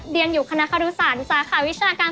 เรียนอยู่คณะการุสาลศาขาวิชาการ